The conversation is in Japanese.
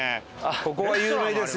ここは有名ですよ。